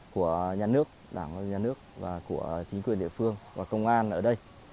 của nhà nước đảng và nhà nước và của chính quyền địa phương và công an ở đây